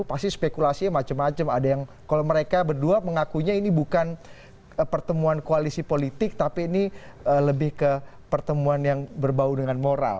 pasti spekulasinya macam macam ada yang kalau mereka berdua mengakunya ini bukan pertemuan koalisi politik tapi ini lebih ke pertemuan yang berbau dengan moral